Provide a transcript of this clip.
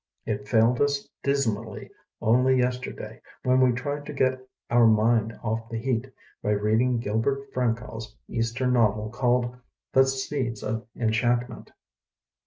It failed us dismally only yesterday when we tried to get our mind off the heat by read ing Gilbert Frankau's eastern novel called "The Seeds of Enchantment''.